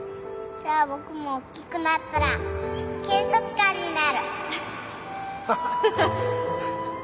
じゃあ僕も大きくなったら警察官になる！ハハハ。